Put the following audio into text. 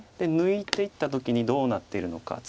抜いていった時にどうなっているのか。